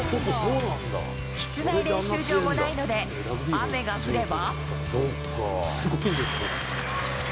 室内練習場もないので、雨が降れば。